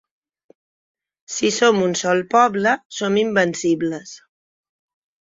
Si som un sol poble, som invencibles.